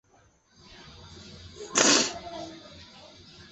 小樽港进入了战前的全盛时期。